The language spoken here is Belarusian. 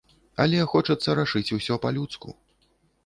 Але хочацца рашыць усё па-людску.